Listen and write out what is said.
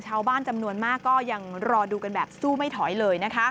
ชาวบ้านจำนวนมากก็ยังรอดูกันแบบสู้ไม่ถอยเลยนะคะ